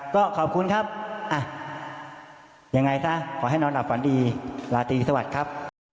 ก็ขอบคุณครับยังไงซะขอให้นอนหลับฝันดีลาตรีสวัสดีครับ